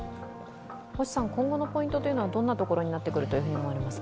今後のポイントというのはどんなところになってくると思われますか？